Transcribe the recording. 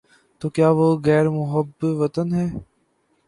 تو کیا وہ غیر محب وطن ہے؟